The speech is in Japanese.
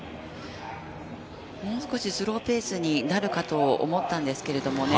もう少しスローペースになるかと思ったんですけどもね。